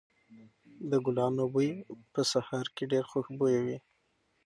د ګلانو بوی په سهار کې ډېر خوشبويه وي.